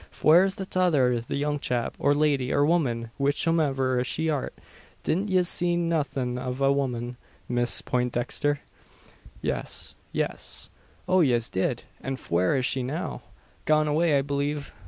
"Fwhare's the tother the young chap, or lady, or wuman whichsomiver she art? Didn't yez see nothin' av a wuman, Miss Pointdixther?" "Yes yes." "Oh! yez did. An fwhere is she now?" "Gone away, I believe."